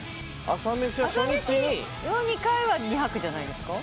朝飯２回は２泊じゃないですか。